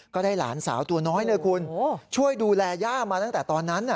ก็ได้หลานสาวตัวน้อยนะคุณช่วยดูแลย่ามาตั้งแต่ตอนนั้น